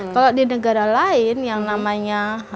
kalau di negara lain yang namanya